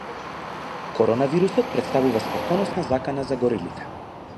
Коронавирусот претставува смртоносна закана за горилите